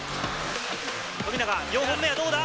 富永、４本目はどうだ？